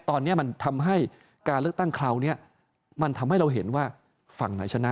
ตอนนี้การเลือกตั้งเคราะห์เนี่ยมันทำให้เราเห็นว่าฝั่งไหนชนะ